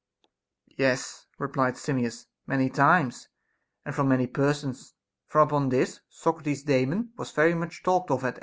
Yes, replied Simmias, many times, and from many persons ; for upon this, Socrates's Daemon was very much talked of at Athens.